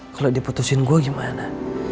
kalo diputusin gue gimana